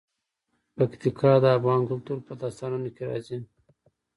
پکتیکا د افغان کلتور په داستانونو کې راځي.